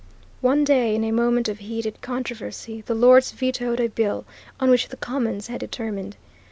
One day in a moment of heated controversy the Lords vetoed a bill on which the Commons had determined.